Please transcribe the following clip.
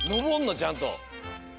ちゃんと。